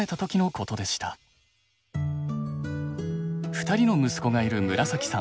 ２人の息子がいるむらさきさん。